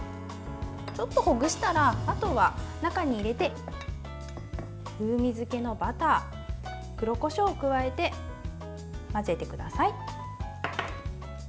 ちょっとほぐしたらあとは中に入れて風味付けのバター、黒こしょうを加えて混ぜてください。